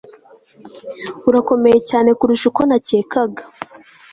Urakomeye cyane kurusha uko nacyekaga